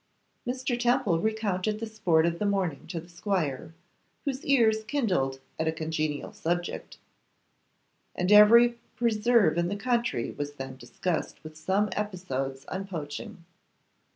Mr. Temple recounted the sport of the morning to the squire, whose ears kindled at a congenial subject, and every preserve in the county was then discussed, with some episodes on poaching.